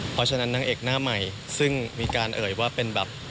เพราะฉะนั้นนางเอกหน้าใหม่ซึ่งมีการเอ่ยว่าเป็นแบบ